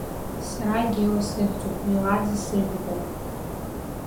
Сара Гела сыхьӡуп, Мелаӡе сыжәлоуп.